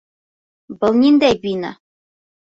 Был ниндәй бина?